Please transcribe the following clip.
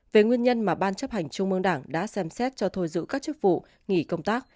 về nguyên nhân mà ban chấp hành trung mương đảng đã xem xét cho thôi giữ các chức vụ nghỉ công tác